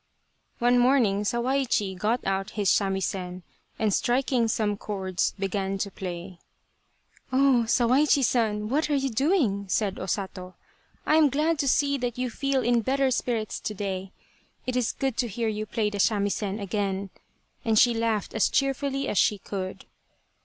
One morning Sawaichi got out his samisen, and striking some chords, began to play. " Oh, Sawaichi San, what are you doing ?'' said O Sato, " I am glad to see that you feel in better spirits to day. It is good to hear you play the samisen again," and she laughed as cheerfully as she could.